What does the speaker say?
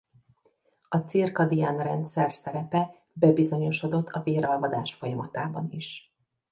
A cirkadián rendszer szerepe bebizonyosodott a véralvadás folyamatában is.